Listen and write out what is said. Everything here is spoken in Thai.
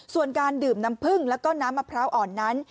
ส่วนการดื่มน้ำผึ้งแล้วก็น้ำมะพร้าวอ่อนนั้น